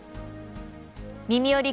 「みみより！